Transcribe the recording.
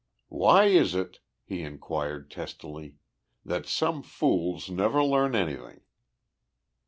"Why is it," he inquired, testily, "that some fools never learn anything?"